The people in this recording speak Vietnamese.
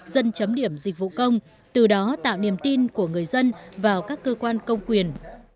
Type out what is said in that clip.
dân chấm điểm dịch vụ công từ đó tạo niềm tin của người dân vào các cơ quan công quyền